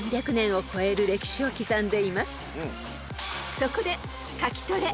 ［そこで］